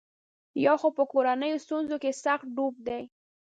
یا خو په کورنیو ستونزو کې سخت ډوب دی.